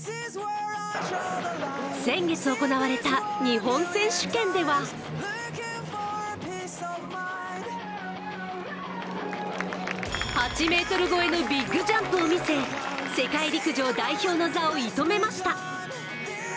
先月行われた日本選手権では８ｍ超えのビッグジャンプを見せ、世界陸上代表の座を射止めました。